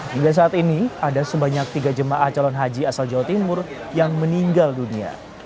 hingga saat ini ada sebanyak tiga jemaah calon haji asal jawa timur yang meninggal dunia